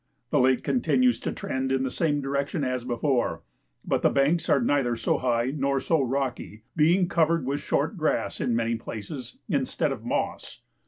The lake continues to trend in the same direction as before, but the banks are neither so high nor so rocky, being covered with short grass in many places instead of moss.